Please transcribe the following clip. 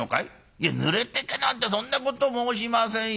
「いやぬれてけなんてそんなこと申しませんよ。